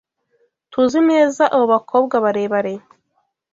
TUZI neza abo bakobwa barebare.